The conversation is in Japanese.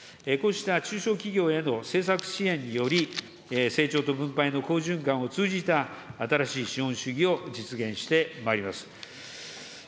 こうした中小企業への政策支援により、成長と分配の好循環を通じた新しい資本主義を実現してまいります。